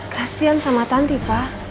kasian sama tanti pa